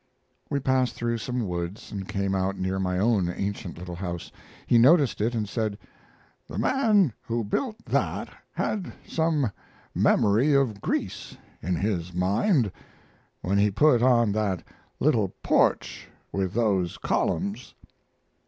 We passed through some woods and came out near my own ancient little house. He noticed it and said: "The man who built that had some memory of Greece in his mind when he put on that little porch with those columns."